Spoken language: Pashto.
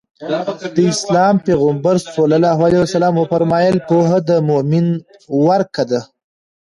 د اسلام پيغمبر ص وفرمايل پوهه د مؤمن ورکه ده.